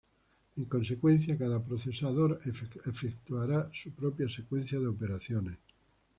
En consecuencia, cada procesador efectuará su propia secuencia de operaciones.